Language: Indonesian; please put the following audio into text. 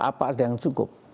apa ada yang cukup